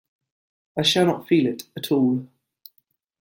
I shall not feel it at all.